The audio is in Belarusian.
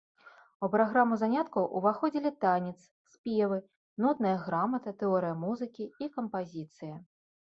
У праграму заняткаў уваходзілі танец, спевы, нотная грамата, тэорыя музыкі і кампазіцыя.